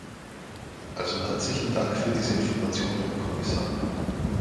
Also herzlichen Dank für diese Information, Herr Kommissar.